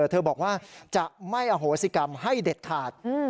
เธอบอกว่าจะไม่อโหสิกรรมให้เด็ดขาด